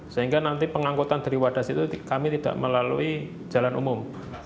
sehingga nanti pengangkutan dari wadas itu kami tidak melalui jalan umum